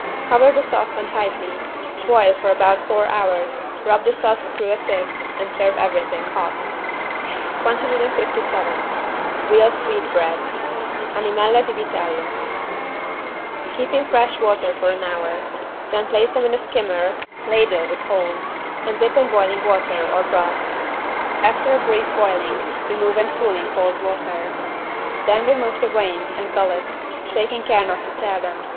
Cover the saucepan tightly, boil for about four hours, rub the sauce through a sieve and serve everything hot. 157 VEAL SWEETBREADS (Animelle di vitello) Keep in fresh water for an hour. Then place them in a skimmer (ladle with holes) and dip in boiling water or broth. After a brief boiling remove and cool in cold water. Then remove the veins and gullet, taking care not to tear them.